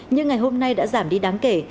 nhưng ngày hôm nay đã giảm đi đáng kể